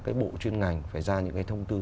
cái bộ chuyên ngành phải ra những cái thông tư